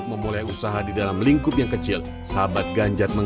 mengadakan kegiatan ini